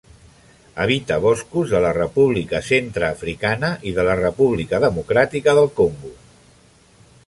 Habita boscos de la República Centreafricana i de la República Democràtica del Congo.